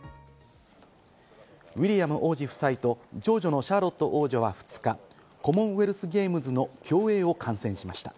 ウィリアム王子夫妻と長女のシャーロット王女は２日、コモンウェルスゲームズの競泳を観戦しました。